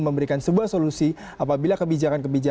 memberikan sebuah solusi apabila kebijakan kebijakan